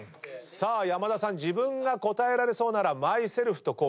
山田さん自分が答えられそうならマイセルフとコール。